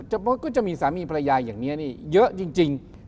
ก็จะมีสามีภรรยาอย่างนี้นี่เยอะจริง